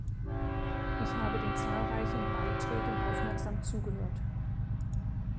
Ich habe den zahlreichen Beiträgen aufmerksam zugehört.